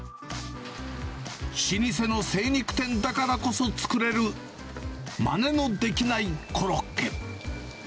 老舗の精肉店だからこそ、作れるまねのできないコロッケ。